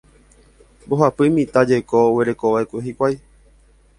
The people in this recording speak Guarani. Mbohapy mitã jeko oguerekova'ekue hikuái.